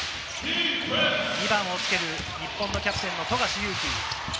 ２番をつける日本のキャプテン・富樫勇樹。